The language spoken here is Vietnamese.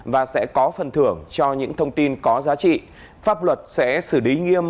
và sẽ có phần thưởng cho những thông tin có giá trị pháp luật sẽ xử lý nghiêm